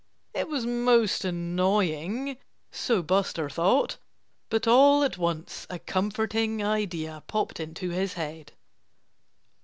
It was most annoying so Buster thought. But all at once a comforting idea popped into his head.